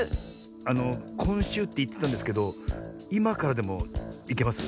あのこんしゅうっていってたんですけどいまからでもいけます？